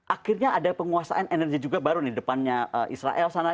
akhirnya ada penguasaan energi juga baru di depannya israel sana